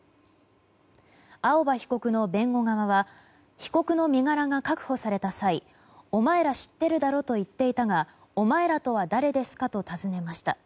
青葉被告の弁護側は被告の身柄が確保された際お前ら知ってるだろと言っていたがお前らとは誰ですかと尋ねました。